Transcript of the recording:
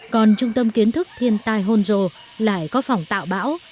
còn trung tâm kiến thức thiên tai honjo lại có phòng tạo bão